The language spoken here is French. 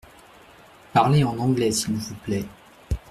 Parlez en anglais s’il vous plait.